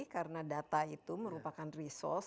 karena data itu merupakan resource